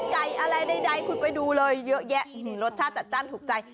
ไก่อะไรใดคุยไปดูเลยรสชาติจัดจั้นถูกใจ